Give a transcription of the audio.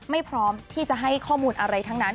พร้อมที่จะให้ข้อมูลอะไรทั้งนั้น